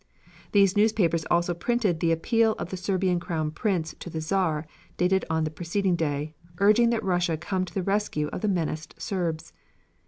These newspapers also printed the appeal of the Serbian Crown Prince to the Czar dated on the preceding day, urging that Russia come to the rescue of the menaced Serbs.